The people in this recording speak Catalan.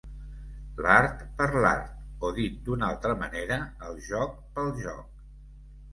L'art per l'art o, dit d'una altra manera, el joc pel joc.